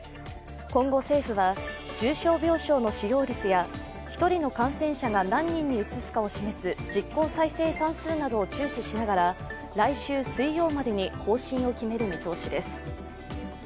今後、政府は重症病床の使用率や１人の感染者が何人にうつすかを示す実効再生産数などを注視しながら来週水曜までに方針を決める見通しです。